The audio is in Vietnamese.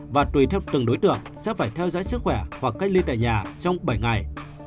và tùy theo từng đối tượng sẽ phải theo dõi sức khỏe hoặc cách ly tại nhà trong bảy ngày